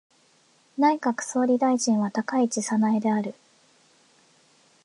内閣総理大臣は高市早苗である。